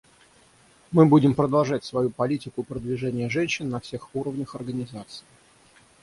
Мы будем продолжать свою политику продвижения женщин на всех уровнях Организации.